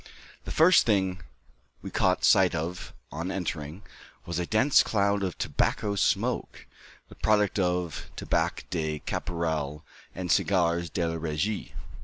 The first thing we caught sight of, on entering, was a dense cloud of tobacco smoke, the product of tabac de Caporal and cigars de la Régie.